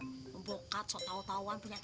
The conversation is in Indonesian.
membokat so tau tauan punya cara